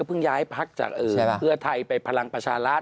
เพิ่งย้ายพักจากเพื่อไทยไปพลังประชารัฐ